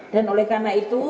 dan oleh karena itu